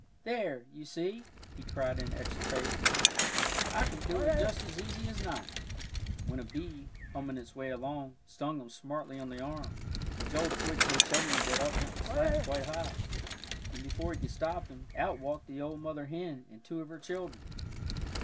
"There, you see," he cried in exultation, "I can do it just as easy as not;" when a bee, humming its way along, stung him smartly on the arm, and Joel twitched so suddenly that up went the slat quite high, and before he could stop them, out walked the old mother hen, and two of her children.